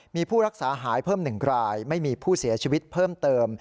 มีผู้รักษาหายเพิ่ม๑รายไม่มีผู้เสียชีวิตเพิ่มเติม